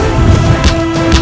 aku tidak mau berpikir seperti itu